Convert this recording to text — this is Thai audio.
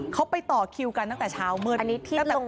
เขาไปต่อคิวกันตั้งแต่เช้ามืด